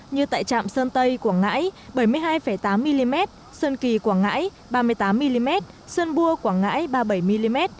như tại trạm sơn tây quảng ngãi bảy mươi hai tám mm sơn kỳ quảng ngãi ba mươi tám mm sơn bua quảng ngãi ba mươi bảy mm